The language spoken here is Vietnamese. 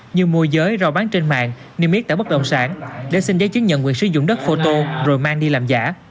như mua giấy rau bán trên mạng niêm yết tả bất động sản để xin giấy chứng nhận quyền sử dụng đất phô tô rồi mang đi làm giả